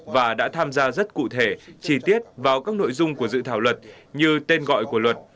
và đã tham gia rất cụ thể chi tiết vào các nội dung của dự thảo luật như tên gọi của luật